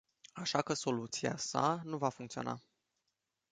Așa că soluția sa nu va funcționa.